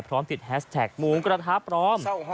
พร้อมติดแฮสแท็กหมูกระทะพร้อม